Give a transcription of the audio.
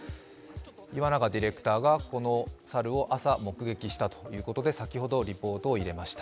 岩永ディレクターがこの猿を朝目撃したということで先ほどリポートを入れました。